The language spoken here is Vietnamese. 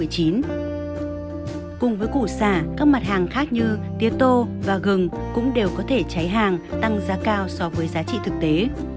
cùng với củ xả các mặt hàng khác như tia tô và gừng cũng đều có thể cháy hàng tăng giá cao so với giá trị thực tế